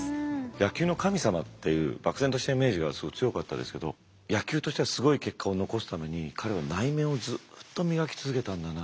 野球の神様っていう漠然としたイメージが強かったですけど野球としてはすごい結果を残すために彼は内面をずっと磨き続けたんだなって。